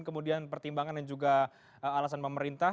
kemudian pertimbangan dan juga alasan pemerintah